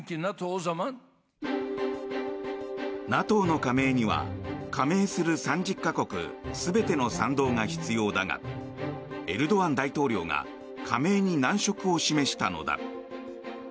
ＮＡＴＯの加盟には加盟する３０か国全ての賛同が必要だがエルドアン大統領が加盟に難色を示したのだ。